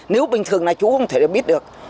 nếu bình thường là chú không thể biết được